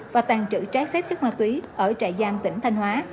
và tàn trữ trái phép chất ma túy ở trại giam tỉnh thanh hóa